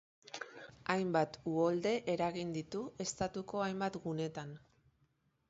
Hainbat uholde eragin ditu estatuko hainbat gunetan.